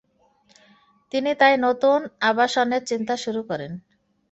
তিনি তাই নতুন আবাসনের চিন্তা শুরু করেন।